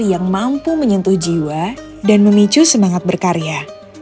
yang mampu menyentuh jiwa dan memicu semangat berkarya